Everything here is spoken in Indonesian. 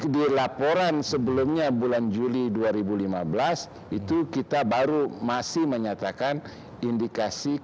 di laporan sebelumnya bulan juli dua ribu lima belas itu kita baru masih menyatakan indikasi